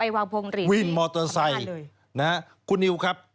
ไปวางโพงตรีนที่ประมาณเลยวินมอเตอร์ไซค์คุณนิวครับ